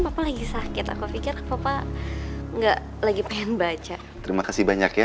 papa lagi sakit aku pikir papa enggak lagi pengen baca terima kasih banyak ya